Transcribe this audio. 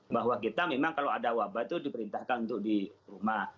bahwa kita memang kalau ada wabah itu diperintahkan untuk di rumah